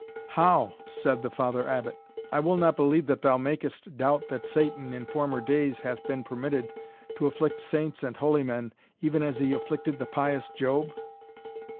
"How!" said the Father Abbot; "I will not believe that thou makest doubt that Satan, in former days, hath been permitted to afflict saints and holy men, even as he afflicted the pious Job?"